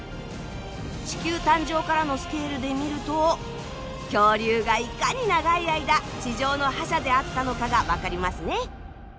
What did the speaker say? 地球誕生からのスケールで見ると恐竜がいかに長い間地上の覇者であったのかが分かりますね。